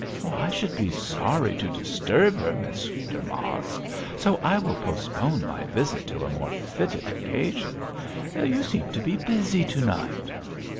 'I should be sorry to disturb her, Mr Mosk, so I will postpone my visit till a more fitted occasion. You seem to be busy to night.'